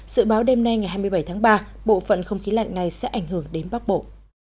dự báo đêm nay ngày hai mươi bảy tháng ba bộ phận không khí lạnh này sẽ ảnh hưởng đến bắc bộ